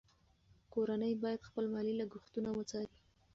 کورنۍ باید خپل مالي لګښتونه وڅاري.